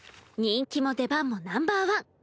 人気も出番もナンバー１。